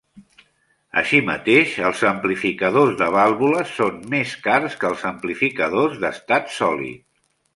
Així mateix, els amplificadors de vàlvules són més cars que els amplificadors d'estat sòlid.